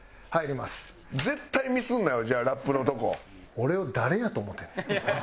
俺を誰やと思ってんねん。